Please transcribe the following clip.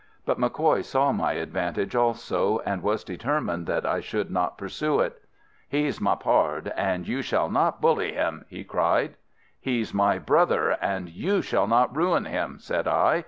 But MacCoy saw my advantage also, and was determined that I should not pursue it. "'He's my pard, and you shall not bully him,' he cried. "'He's my brother, and you shall not ruin him,' said I.